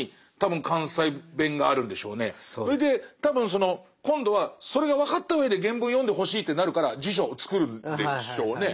それで多分今度はそれが分かったうえで原文を読んでほしいってなるから辞書を作るんでしょうね。